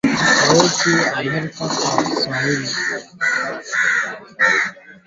sauti ya Amerika kwa Kiswahili